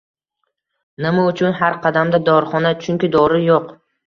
Nima uchun har qadamda dorixona? Chunki dori yo'q